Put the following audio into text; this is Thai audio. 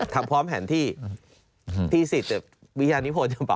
ทำพร้อมแห่งที่๑๐